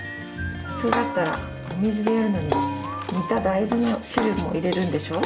普通だったらお水でやるのに煮た大豆の汁も入れるんでしょ？